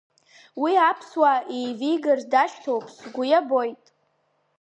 Уи аԥсуаа еивигарц дашьҭоушәа сгәы иабоит.